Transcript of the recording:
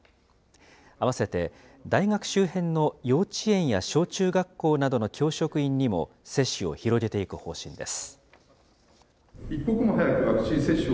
併せて大学周辺の幼稚園や小中学校などの教職員にも接種を広げていく方針です。